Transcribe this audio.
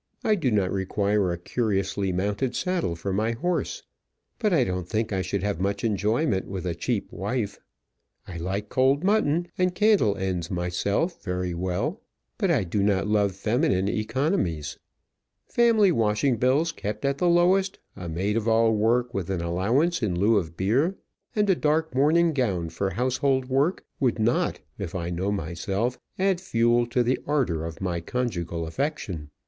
I do not require a curiously mounted saddle for my horse. But I don't think I should have much enjoyment with a cheap wife. I like cold mutton and candle ends myself very well, but I do not love feminine economies. Family washing bills kept at the lowest, a maid of all work with an allowance in lieu of beer, and a dark morning gown for household work, would not, if I know myself, add fuel to the ardour of my conjugal affection.